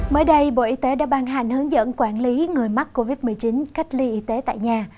mới đây bộ y tế đã ban hành hướng dẫn quản lý người mắc covid một mươi chín cách ly y tế tại nhà